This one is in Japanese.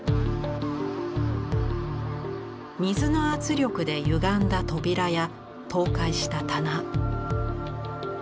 水の圧力でゆがんだ扉や倒壊した棚。